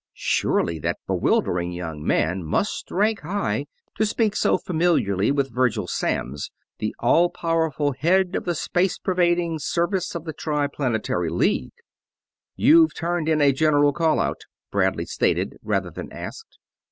Surely that bewildering young man must rank high, to speak so familiarly to Virgil Samms, the all powerful head of the space pervading Service of the Triplanetary League! "You've turned in a general call out," Bradley stated, rather than asked.